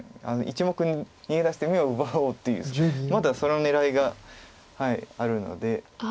１目逃げ出して眼を奪おうというまだその狙いがあるので。